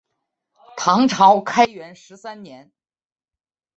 唐朝开元十三年。